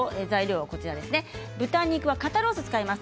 豚肉は肩ロースを使います。